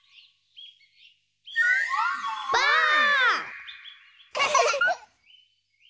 ばあっ！